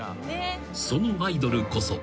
［そのアイドルこそ］